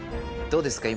どうですか？